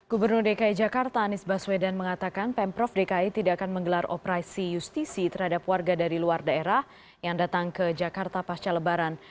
gubernur dki jakarta anies baswedan mengatakan pemprov dki tidak akan menggelar operasi justisi terhadap warga dari luar daerah yang datang ke jakarta pasca lebaran